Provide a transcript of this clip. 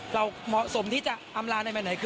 เอ่อเราเหมาะสมที่จะอำลาหน่อย